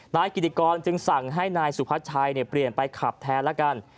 นายกิติกรจึงสั่งให้นายสุพัชชัยเปลี่ยนไปขับแทนแล้วกัน